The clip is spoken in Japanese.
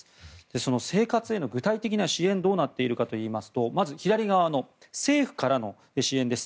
その生活への具体的な支援はどうなっているかといいますとまず、政府からの支援です。